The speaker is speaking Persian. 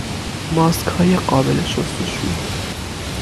ماسکهای قابل شستشو